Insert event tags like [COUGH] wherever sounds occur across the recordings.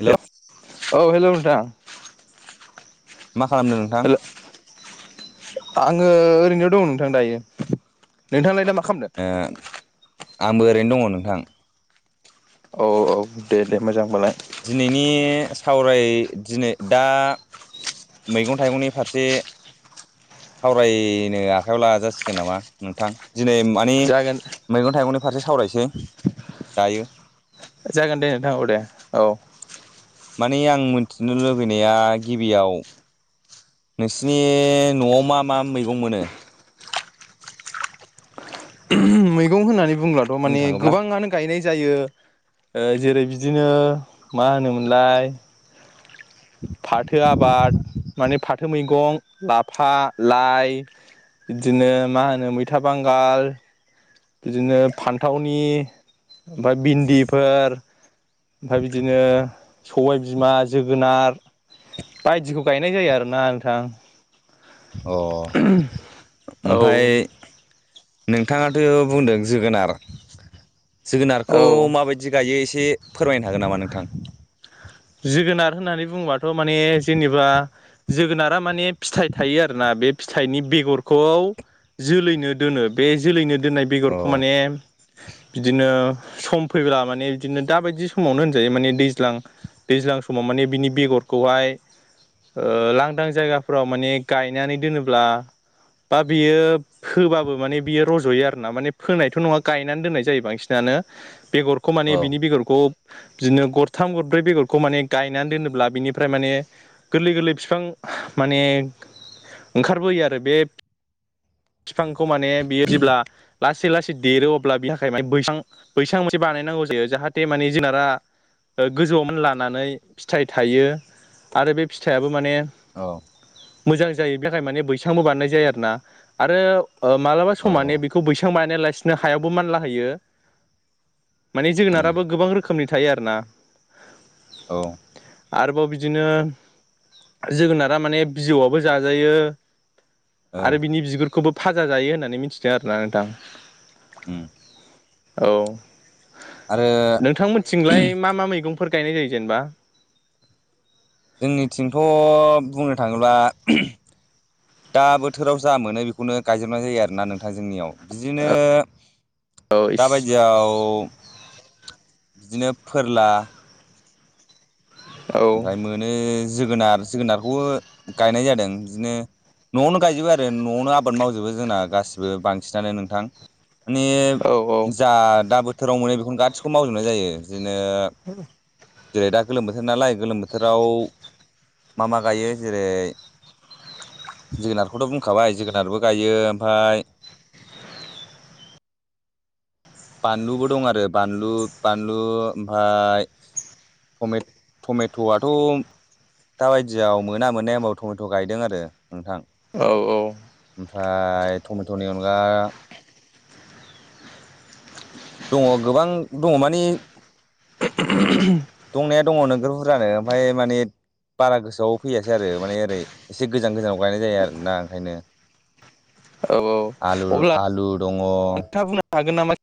Hello [UNINTELLIGIBLE] औ हेल' नोंथां। मा खालामदों नोंथां। हेल' आङो ओरैनो दङ नोंथां दायो नोंथाङालाय दा मा खामदो। ओ आंबो ओरैनो दङ नोंथां। औ-औ दे-दे मोजांबालाय। दिनैनि सावराय दिनै दा मैगं थाइगंनि फारसे सावरायनो आखायाव लाजासिगोन नामा नोंथां। दिनै मानिे जागोन मैगं-थाइगंनि फारसे सावरायसै दायो। जागोन दे नोंथां दे औ माने आं मिथिनो लुुबैनाया गिबियाव नोंसिनि न'आव मा मा मैगं मोनो? मैगं होननानै बुंब्लाथ' बुंनो माने थाङोब्ला गोबाङानो गायनाय जायो जेरै बिदिनो मा होनोमोनलाय। फाथो आबाद माने फाथो मैगं लाफा लाइ बिदिनो मा होनो मैथा बांगाल बिदिनो फान्थावनि ओमफ्राय भिन्दिफोर ओमफ्राय बिदिनो सबायबिमा जोगोनार बायदिखौ गायनाय जायो आरोना नोंथां। अ ओमफाय औ नोंथाङाथ' बुंदों। जोगोनार जोगोनारखौ माबायदि गायो एसे एसे फोरमायनो हागोन नामा नोंथां? जोगोनार होननानै बुङोबाथ' माने जेनेबा जोगोनारा माने फिथाइ थायो आरोना। बे फिथाइनि बेगरखौ जोलैनो दोनो बे जोलैनो दोननाय औ बेगरखौ माने बिदिनो सम फैब्ला माने बिदिनो दाबायदि समावनो होनजायो माने दैज्लां दैज्लां समाव माने बिनि बेगरखौहाय लांदां जायगाफोराव माने गायनानै दोनोब्ला। बा बियो फोबाबो माने बियो रज'यो आर ना माने फोनायथ' नङा गायनानै दोननाय जायो बांसिनानो। बेगरखौ माने औ बेनि बेगरखौ बिदिनो गरथाम गरब्रै बेगरखौ खौ माने गायनानै दोनोब्ला बिनिफ्राय माने गोरलै गोरलै फिफां माने ओंखारबोयो आरो बे फिफांखौ माने बेयो जेब्ला लास्ट लासै लासै देरो अब्ला बिनि थाखाय म बैसां बैसां मोनसे बानायनांगौ जायो जाहाथे माने जुनारा गोजौवावमोन लानानै फिथाइ थायो आरो बे फिथाइयाबो माने। औ मोजां जायो बेनि थाखाय माने बैसांबो बानायनाय जायो आरोना आरो मालाबा औ समानै बेखौ बैसां बानायना लासिनो हायावबो मानला होयो। माने उम जोगोनाराबो गोबां रोखोमनि थायो आरो ना। औ आरोबाव बिदिनो जोगोनारा माने बिजौआबो जाजायो। औ आरो बिनि बिगुरखौबो फाजा जायो होननानै मिथिदों आरोना नोंथां। [INAUDIBLE] औ आरो नोंथां मोननिथिंलाय मा मा मैगंफोरखौ। गायनाय जायो जेनेबा जोंनिथिंथ' बुंनो थाङोब्ला दा बोथोराव जा मोनो बेखौनो गायजोबनाय जायो आरोना नोंथां जोंनियाव । बिदिनो औ दाबायदियाव। बिदिनो फोरला। ओमफ्राय मोनो जोगोनार जोगोनारखौबो गायनाय जादों बिदिनो। न'आवनो गायजोबो आरो न'आवनो आबाद मावजोबो जोंना गाैबो बांसिनानो नोंथां। माने औ जा दा बोथोराव मोनो बेखौनो गासिखौबो मावजोबनाय जायो। बिदिनो जेरै दा गोलोम बोथोर नालाय। गोलोम बोथोराव मा मा गायो जेरै जोगोनारखौथ' बुंखाबाय जोगोनारबो गायो ओमफाय [UNINTELLIGIBLE] बानलुबो दं आरो बानलु बानलु ओमफाय टमे टमेट'आथ' दाबायदियाव मोना मोननाय हबा टमेट' गायदों आरो नोंथां। औ ओमफाय टमेट'नि अनगा दङ गोबां दङ माने दंनाया दङ नोगोर बुरजानो ओमफाय माने बारा गोसोआव फैयासै आरो माने ओरै एसे गोजान गोजानाव गायनाय जायो आरोना ओंखायनो आलु आलु रं खोथा बुंनो हागोन नामा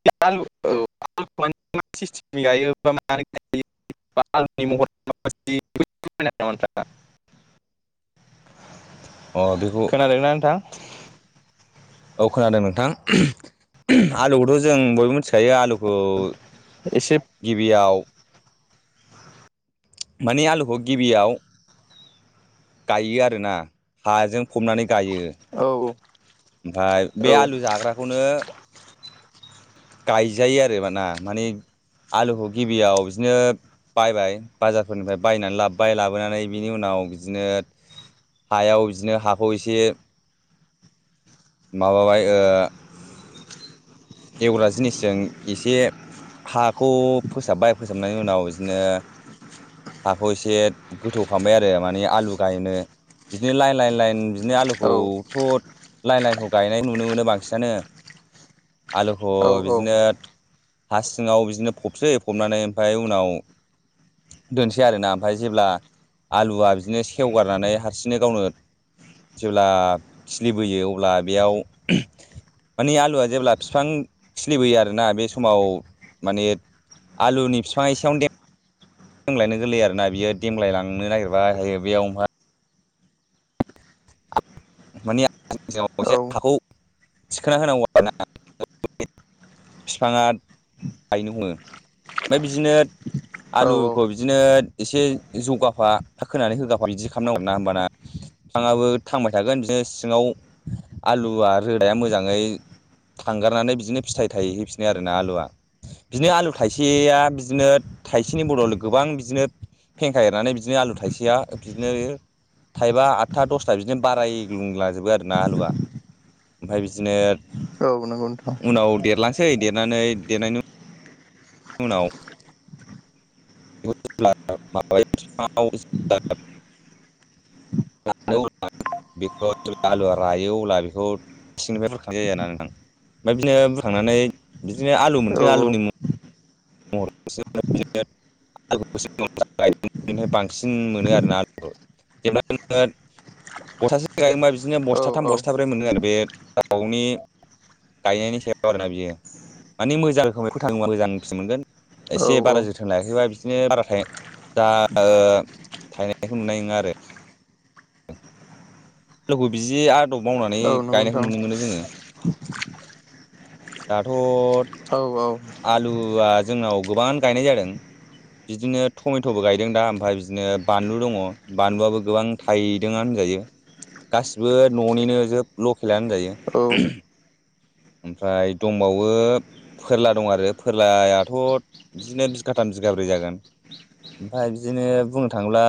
[UNINTELLIGIBLE] [UNINTELLIGIBLE] [INAUDIBLE] अ बेखौ खोनादोंना नोंथां औ खोनादों नोंथां [UNINTELLIGIBLE] आलुखौथ' जों बयबो मिथिखायो आलु औ एसे गिबियाव मानि आलुखौ गिबियाव गायो आरोना हाजों फबनानै औ ओमफाय बे औ आलु जाग्राखौनो गायजायो आरो माना माने आलुखौ गिबियाव बिदिनो बायबाय बाजारफोरनिफ्राय बायनानै लाबोबाय लाबोनानै बिनि उनाव बिदिनो हायाव बिदिनो हाखौ एसे माबाबाय ओ एवग्रा जिनिसजों एसे हाखौ फोसाबबाय फोसाबनायनि उनाव बिदिनो हाखौ एसे गोथौ खालामबाय आरो माने आलु गायनो बिदिनो लाइ लाइन लाइन बिदिनो औ आलुखौथ' लाइन लाइनखौ गायनाय नुनो मोनो बांसिनानो आलुखौ औ बिदिनो हा सिङाव बिदिनो फबसै फबनानै ओमफाय उनाव दोनसै आरोना ओमफाय जेब्ला आलुआ बिदिनो सेवगारनानै हारसिंयैनो गावनो जेब्ला खिलिबोयो अब्ला बेयाव [UNINTELLIGIBLE] माने आलुआ जेब्ला बिफां खिलिबोयो आरोना बे समाव माने आलुनि बिफाङा एसेयावनो दे मलायनो गोरलैयो आरोना बियो देमगलाय लांनो नागिरबाय हायो बेयाव आ माने [UNINTELLIGIBLE] औ एसे हाखौ थिखोना होनांगौ आरोना [UNINTELLIGIBLE] बिफाङा गायनो हमो ओमफाय बिदिनो औ आलुखौ बिदिनो एसे जगाफा खोनानै होगाफा बिदि खालामनांगौ ना होमबाना बिफाङाबो थांबाय थागोन बिदिनो सिङाव आलुआ रोदाया मोजाङै थांगारनानै बिदिनो फिथाइ थायहै हैफिनो आरो आलुआ बिदिनो आलु थाइसेया बिदिनो थाइसेनि बदल गोबां बिदिनो फेंखा एरनानै बिदिनो आलु थायसेआ बिदिनो थांबाय आटथा दसथा बि बाराय ग्लुंलाजोबो आरोना आलुवा ओमफाय बिदिनो औ नंगौ नोंथां उनाव देरलांसै देरनानै देरनायनि उनाव म [UNINTELLIGIBLE] न [UNINTELLIGIBLE] बेखौ जे आलुआ रायो अब्ला बेखौ सिंनिफ्राय बुरखांनाय जायो आरोना नोंथां ओमफ्राय बिदिनो बुरखांनानै बिदिनो आलु औ मोनसे औ आलुनि [UNINTELLIGIBLE] [UNINTELLIGIBLE] आय बेनिफ्राय बांसिन मोनो आरोना आलुखौ जेनेबा बस्थासे गायबा बिदिनो औ बस्थाथाम औ बस्थाब्रै मोनो आरो बे दाउनि गायनायनि सायाव आरोना बियो माने मोजां रोखोमै फोथांङोबा मोजां फिन मोनगोन औ एसे बारा जोथोन लायाखैबा बिदिनो बारा थायो जा थायनायखौ मोननाय नङा आरो द [INAUDIBLE] लोगो बिदि आदब मावनानै औ नंगौ गायनायखौ नोंथां नुनो मोनो जोङो। दाथ' औ औ आलुआ जोंनाव गोबां गायनाय जादों। बिदिनो टमेट'बो गायदों दा ओमफ्राय बिदिनो बानलु दङ बानलुआबो गोबां थायदों आरो यो गासिबो न'निनो जोब लकेलानो गायो। औ ओमफ्राय दंबावो फोरला दं आरो फोरलायाथ' बिदिनो बिगाथाम बिगाब्रै जागोन। ओमफ्राय बिदिनो बुंनो थाङोब्ला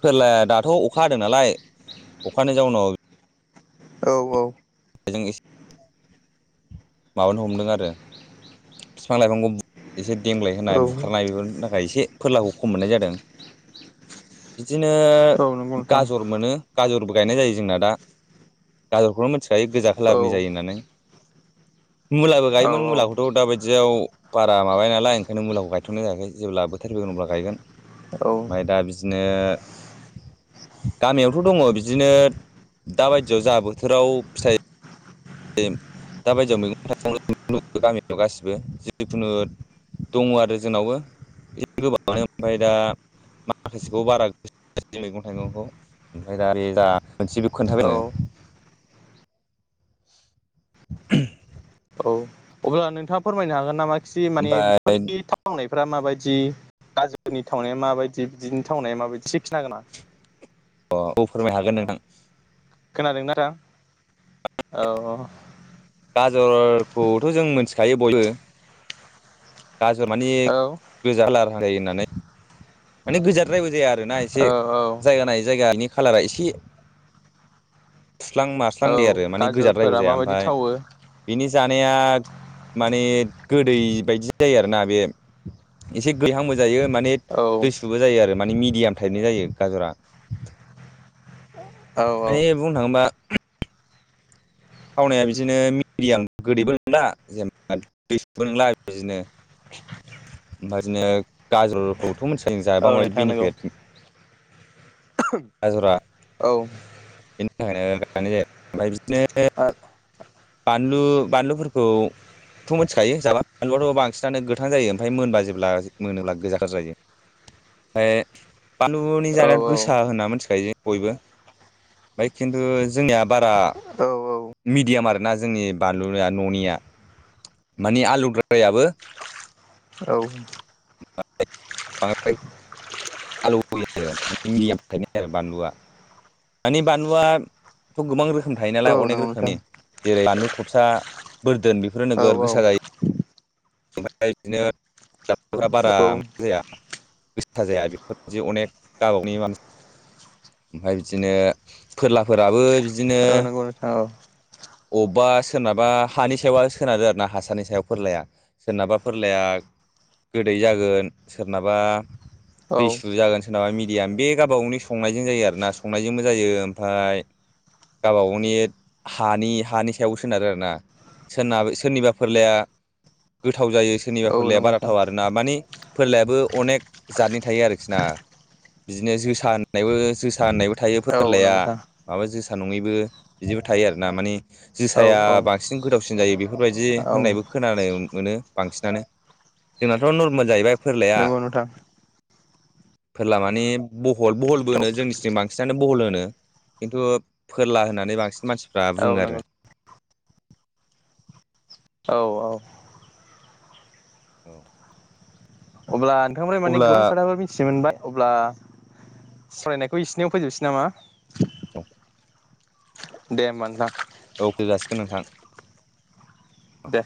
फोरला दाथ' अखा हादों नालाय अखानि जाउनाव औ औ बेजों एसे माबानो हमदों आरो बिफां- लाइफांखौ एसे देंग्लाय होनाय नंगौ नोंथां औ बुखारनाय बेफोरनि थाखाय एसे फोरलाखौ खम मोननाय जादों। बिदिनो औ औ गाजर मोनो। गाजरबो गायनाय जायो जोंना दा गाजरखौनो मिथिखायो गोजा खालारनि जायो होननानै मुलाबो गायोमोन मुलाखौथ' दाबायदि याव बारा माबाया‌ नालाय ओंखायनो मुलाखौ गायथ'नाय जायाखै जेब्ला बोथोर फैगोन अब्ला गायगोन। माइ अब्ला दा बिदिनो गामियावथ' दङ बिदिनो दा बायदियाव जा बोथोराव फिथाइ दा बायदियाव मैगं - थाइगं गामियाव गासिबो जिखुनु दङ आरो जोंनावबो एसे गोबाङानो ओमफ्राय दा माखासेखौ बारा गोसो मैगं - थाइगंखौ ओमफ्राय दा बे जा [UNINTELLIGIBLE] मोनसेबो खोन्थाबायो [UNINTELLIGIBLE] [INAUDIBLE] अब्ला नोंथाङा फोरमायनो हागोन नामा खि माने ओमफ्राय बेफोरनि थांनाय फोरा माबायदि गाजरनि थावनाया माबायदि बिदिनि थावनाया माबायदि एसे खिनथानो हागोन नामा अ' औ फोरमायनो हागोन नोंथां। खोनादोंना दा औ गाजरखौथ' जों मिथिखायो बयबो गाजर माने औ औ गोजा खालार जायो होननानै माने गोजाद्रायबो जाया आरो औ औ जायगा नायै जायगा बिनि खालारा एसे खुरलां औ फानदै आरो माने गोजाद्रायबो गाजरफोरा जाया माबायदि ओमफ्राय थावो बिनि जानाया माने गोदै बायदि जायो आरोना बे एसे गैहांबो जायो माने औ दैसुबो जायो आरो माने मिडियाम टाइपनि जायो गाजरा औ माने बुंनो थाङोबा थावनाया बिदिनो मिडियाम गोदैबो नंला जेन'बा दैबो नंला बिदिनो बिदिनो गाजरखौथ' मिथिखायो औ जायाबा माबायदि नोंथां नंगौ बेनिफिट गाजरा औ बेनि थाखायनो लानाय जायो ओमफ्राय औ बिदिनो बानलु बानलुफोरखौथ' मिथिखायो जाबा बानलुआथ' बांसिनानो गोथ थां जायो ओमफ्राय मोनबा जेब्ला मोनोब्ला गोजा - गोजा जायो ओमफ्राय बानलुनि औ जानाया गोसा होनना मिथिखायो जे बयबो ओमफ्राय खिन्थु जोंनिया बारा औ मिडियाम आरोना जोंनि बानलुया न'निया मानि आलौद्रायाबो औ [UNINTELLIGIBLE] [UNINTELLIGIBLE] आरो बानलुआ मानि बानलुआथ' गोबां रोखोम थायो नालाय अनेक नंगौ नोंथां रोखोमनि जेरै बानलु थबसा बोरदोन बेफोरो औ नोगोद गोसा जायो ओमफ्राय बिदिनो बारा औ मा जाया गोसा जाया बेफोरबायदि अनेक गावबा गावनि मानसि ओमफ्राय बिदिनो फोरलाफोराबो बिदिनो औ नंगौ नोंथां औ अबेबा सोरनाबा हानि सायावा सोनारादो आरोना हासारानि सायाव फोरलाया सोरनाबा फोरलाया गोदै जागोन सोरनाबा औ दैसु जागोन सोरनाबा मिडियाम बे गाब गावनो संनायजों जायो आरोना संनायजोंबो जायो ओमफ्राय गावबा गावनि हानि हानि सायावबो सोनारो आरो ना सोरनाब सोरनिबा फोरलाया गोथाव जायो सोरनिबा औ फोरलाया नंगौ नोंथां बाराथाव आरोना मानि फोरलायाबो अनेक जादनि थायो आरोखिना बिदिनो जोसा होननायबो जोसा होननायबो थायो औ फोरलाया नंगौ नोंथां माबा जोसा जोसा नङैबो बिदिबो थायो आरोना माने औ जोसाया औ बांसिन गोदावसिन जायो बेफोरबायदि औ होननायबो खोनानो मोनो बांसिनानो जोंनाथ' नर्मेल जाहैबाय फोरलाया नंगौ नोंथां फोरला माने बहल बहलबो होनो जोंनि सिं बांसिनानो बहल होनो खिन्थु फोरला होननानै बांसिन मानसिफ्रा बुङो आरो औ-औ औ अब्ला नोंथांनिफ्राय माने अब्ला गोबां खोथाफोर मिथि मोनबाय अब्ला फरायनायखौ इसिनियाव फैजोबसै नामा औ दे होनबा नोंथां औ फै जासिगोन नोंथां दे